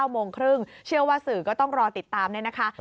โมงครึ่งเชื่อว่าสื่อก็ต้องรอติดตามเนี่ยนะคะ